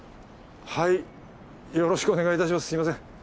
はいよろしくお願いいたしますすみません。